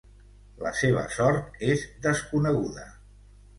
La seva sort és desconeguda.